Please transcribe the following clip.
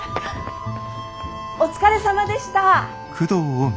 お疲れさまでした。